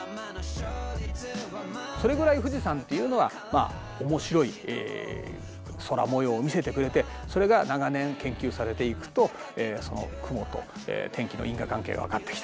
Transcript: それぐらい富士山っていうのは面白い空もようを見せてくれてそれが長年研究されていくとその雲と天気の因果関係が分かってきた。